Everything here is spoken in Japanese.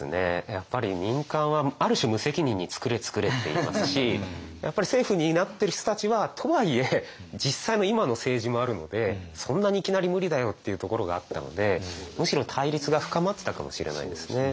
やっぱり民間はある種無責任に「つくれつくれ」って言いますし政府担ってる人たちはとはいえ実際の今の政治もあるのでそんなにいきなり無理だよっていうところがあったのでむしろ対立が深まってたかもしれないですね。